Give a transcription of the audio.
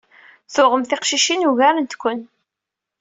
Tuɣem tiqcicin ugarent-ken.